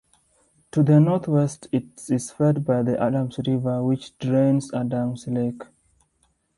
To the north-west it is fed by the Adams River, which drains Adams Lake.